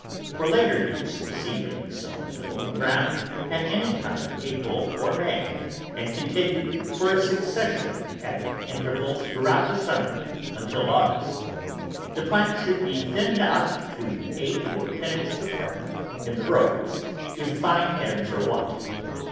For later use, the seed may be sown in the open ground at any time in April or May and GREENS AND SALAD VEGETABLES continued for a succession at intervals throughout the summer until August. The plants should be thinned out to eight or ten inches apart in the rows if fine heads are wanted.